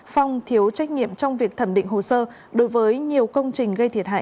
phong thiếu trách nhiệm trong việc thẩm định hồ sơ đối với nhiều công trình gây thiệt hại